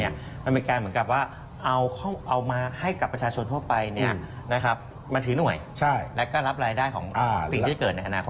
มันเป็นการเหมือนกับว่าเอามาให้กับประชาชนทั่วไปมาถือหน่วยแล้วก็รับรายได้ของสิ่งที่จะเกิดในอนาคต